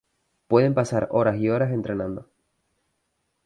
Pueden pasar horas y horas entrenando.